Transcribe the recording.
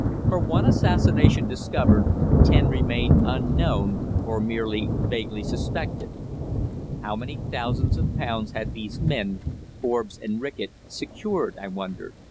For one assassination discovered, ten remain unknown or merely vaguely suspected. How many thousands of pounds had these men, Forbes and Reckitt, secured, I wondered?